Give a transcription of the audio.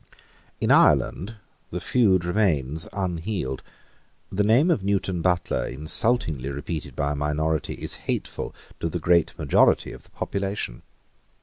In Ireland the feud remains unhealed. The name of Newton Butler, insultingly repeated by a minority, is hateful to the great majority of the population.